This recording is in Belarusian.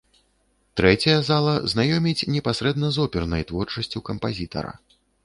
Трэцяя зала знаёміць непасрэдна з опернай творчасцю кампазітара.